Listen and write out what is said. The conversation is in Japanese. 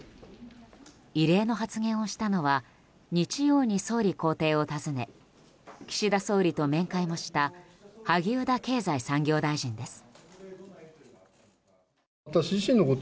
異例の発言をしたのは日曜に総理公邸を訪ね岸田総理と面会もした萩生田経済産業大臣です。